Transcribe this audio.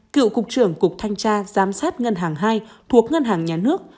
cựu cục trưởng cục thanh tra giám sát ngân hàng hai thuộc ngân hàng nhà nước